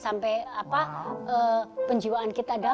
sampai penjiwaan kita dapat